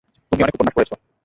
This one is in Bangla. তুমি অনেক উপন্যাস পড়েছ।